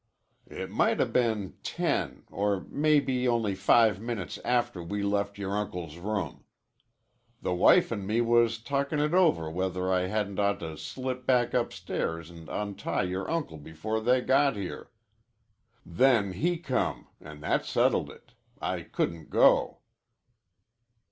"It might 'a' been ten or maybe only five minutes after we left yore uncle's room. The wife an' me was talkin' it over whether I hadn't ought to slip back upstairs and untie yore uncle before they got here. Then he come an' that settled it. I couldn't go."